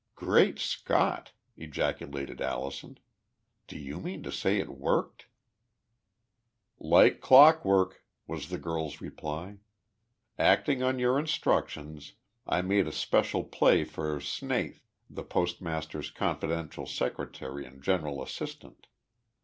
"Great Scott!" ejaculated Allison. "Do you mean to say it worked?" "Like clockwork," was the girl's reply. "Acting on your instructions, I made a special play for Snaith, the postmaster's confidential secretary and general assistant.